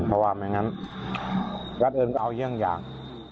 เพราะว่ามันอย่างนั้นวัดเอิญก็จะเอาเยี่ยงอย่าง